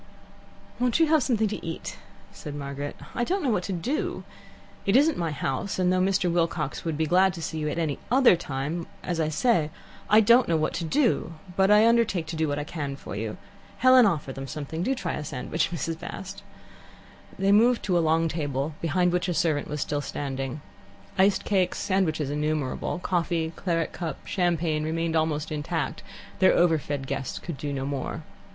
"Won't you have something to eat?" said Margaret. "I don't know what to do. It isn't my house, and though Mr. Wilcox would have been glad to see you at any other time as I say, I don't know what to do, but I undertake to do what I can for you. Helen, offer them something. Do try a sandwich, Mrs. Bast." They moved to a long table behind which a servant was still standing. Iced cakes, sandwiches innumerable, coffee, claret cup, champagne, remained almost intact: their overfed guests could do no more.